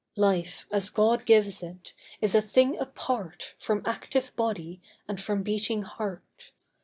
Life, as God gives it, is a thing apart From active body and from beating heart.